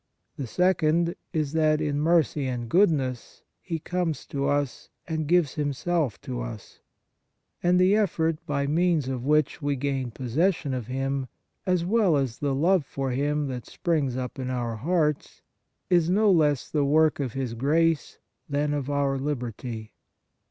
The second is that, in mercy and good ness, He comes to us and gives Him self to us ; and the effort by means of which we gain possession of Him, as well as the love for Him that springs up in our hearts, is no less the work of His grace than of our liberty.